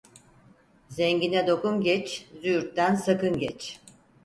Zengine dokun geç, züğürtten sakın geç.